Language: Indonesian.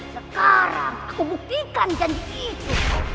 sekarang aku buktikan janji itu